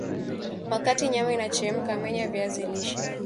Wakati nyama inachemka menya viazi lishe